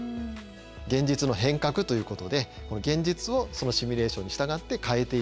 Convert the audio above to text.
現実の変革ということで現実をそのシミュレーションに従って変えていく。